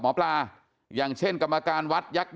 เพราะทนายอันนันชายชายเดชาบอกว่าจะเป็นการเอาคืนยังไง